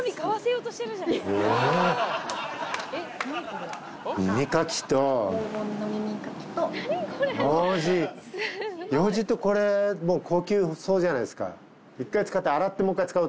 ようじってこれ高級そうじゃないっすか。